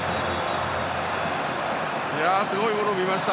すごいものを見ました。